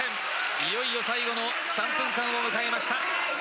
いよいよ最後の３分間を迎えました。